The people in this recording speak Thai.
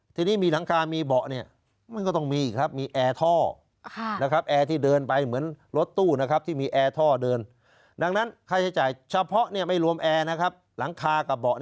ทีนี้มีหลังคามีเบาะเนี่ยมันก็ต้องมีอีกครับมีแอร์ท่อนะครับ